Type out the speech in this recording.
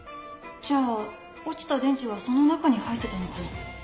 じゃあ落ちた電池はその中に入ってたのかな？